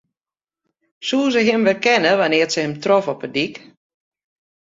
Soe se him werkenne wannear't se him trof op de dyk?